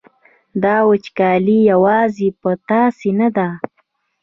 دا وچکالي یوازې په تاسې نه ده.